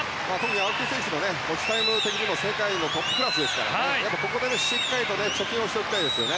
青木選手の持ちタイム的には世界のトップクラスですからここでしっかりと貯金をしておきたいですよね。